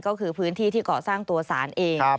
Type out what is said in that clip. ก็คือพื้นที่ที่ก่อสร้างตัวสารเอง